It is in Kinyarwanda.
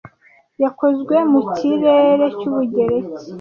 yakozwe mu kirere cy'ubugereki